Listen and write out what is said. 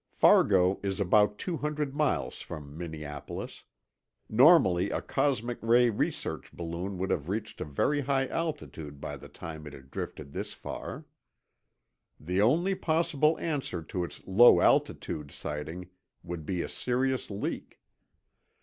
..." Fargo is about two hundred miles from Minneapolis. Normally, a cosmic ray research balloon would have reached a very high altitude by the time it had drifted this far. The only possible answer to its low altitude sighting would be a serious leak.